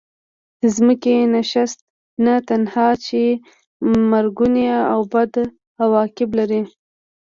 د ځمکې نشست نه تنها چې مرګوني او بد عواقب لري.